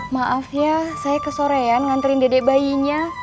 maaf ya saya kesorean nganterin dedek bayinya